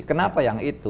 kenapa yang itu